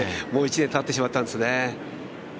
もう１年たってしまったんですね。